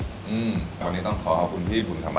อืมวันนี้ต้องขอขอบคุณพี่บุญธรรม